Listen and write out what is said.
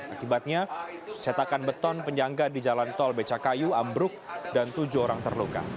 akibatnya cetakan beton penyangga di jalan tol becakayu ambruk dan tujuh orang terluka